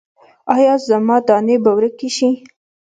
ایا زما دانې به ورکې شي؟